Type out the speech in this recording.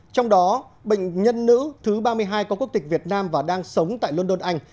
trong đó bệnh nhân nữ thứ ba mươi hai có quốc tịch việt nam và đang sống tại london anh